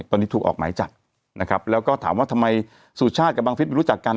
ตอนนี้ถูกออกหมายจับนะครับแล้วก็ถามว่าทำไมสุชาติกับบังฟิศไม่รู้จักกัน